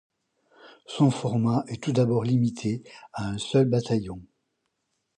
Son format est tout d'abord limité à un seul bataillon.